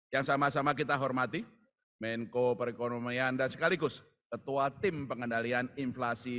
yang sama sama kita hormati menko perekonomian dan sekaligus ketua tim pengendalian inflasi